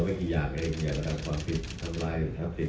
อย่างเช่นการขยายพื้นที่ทางของรายปรแรม